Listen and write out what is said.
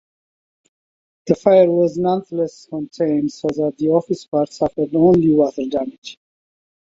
The fire was nonetheless contained so that the office part suffered only water damage.